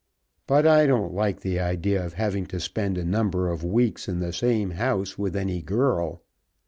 But I don't like the idea of having to spend a number of weeks in the same house with any girl.